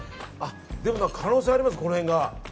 でも可能性あります、この辺が。